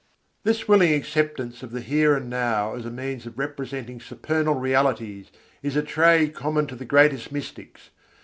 This willing acceptance of the here and now as a means of representing supernal realities is a trait common to the greatest mystics.